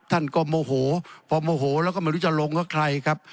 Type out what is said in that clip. ท่านก็โมโหพอโมโหแล้วก็ไม่รู้จะลงกับใครครับ